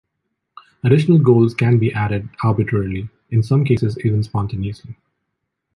Additional goals can be added arbitrarily, in some cases even spontaneously.